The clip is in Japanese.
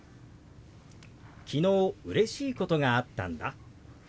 「昨日うれしいことがあったんだ」。